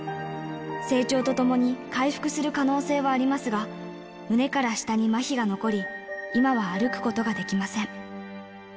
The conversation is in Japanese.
成長とともに回復する可能性はありますが、胸から下にまひが残り、今は歩くことができません。